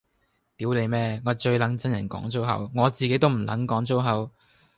屌你咩，我最撚憎人講粗口，我自己都唔撚講粗口